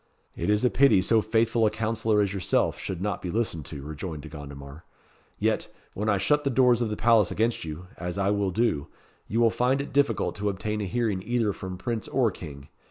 "It is a pity so faithful a councillor as yourself should not be listened to," rejoined De Gondomar. "Yet, when I shut the doors of the palace against you as I will do you will find it difficult to obtain a hearing either from Prince or King.